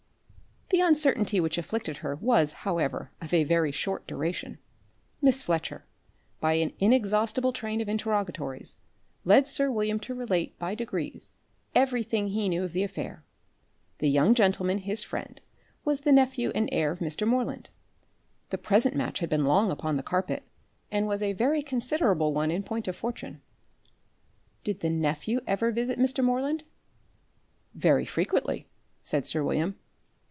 The uncertainty which afflicted her was however of a very short duration. Miss Fletcher, by an inexhaustible train of interrogatories, led sir William to relate by degrees every thing he knew of the affair. The young gentleman his friend was the nephew and heir of Mr. Moreland. The present match had been long upon the carpet, and was a very considerable one in point of fortune. "Did the nephew ever visit Mr. Moreland?" "Very frequently," said sir William.